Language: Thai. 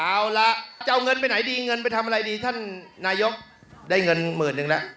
เอาล่ะจะเอาเงินไปไหนดีเงินไปทำอะไรดีท่านนายกได้เงินหมื่นนึงแล้ว